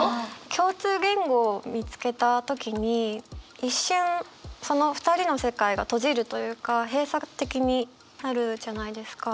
共通言語を見つけた時に一瞬その２人の世界が閉じるというか閉鎖的になるじゃないですか。